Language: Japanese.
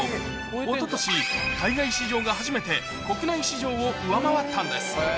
おととし、海外市場が初めて国内市場を上回ったんです。